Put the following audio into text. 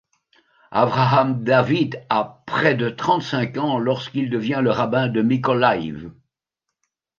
Avraham David a près de trente cinq ans lorsqu'il devient le rabbin de Mykolaïv.